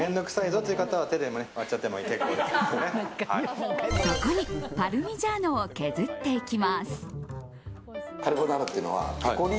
そこにパルミジャーノを削っていきます。